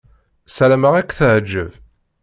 Ssarameɣ ad k-teɛjeb.